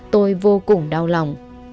tôi vô cùng đau lòng